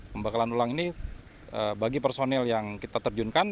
pembekalan ulang ini bagi personil yang kita terjunkan